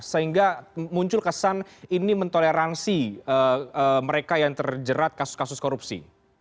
sehingga muncul kesan ini mentoleransi mereka yang terjerat kasus kasus korupsi